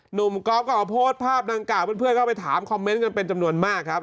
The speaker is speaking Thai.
ก๊อฟก็มาโพสต์ภาพดังกล่าวเพื่อนก็ไปถามคอมเมนต์กันเป็นจำนวนมากครับ